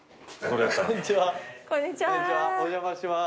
こんにちは。